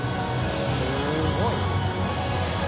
すごいな。